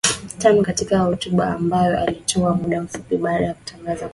tano Katika hotuba ambayo aliitoa muda mfupi baada ya kutangaza kwamba anajiunga na upinzani